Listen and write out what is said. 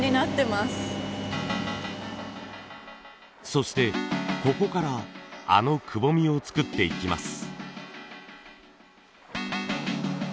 そしてここからあのくぼみを作っていきます。